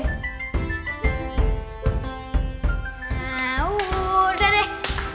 nah udah deh